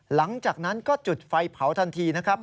หลังจากนั้นก็จุดไฟเผาทันทีนะครับ